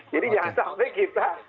jadi jangan sampai kita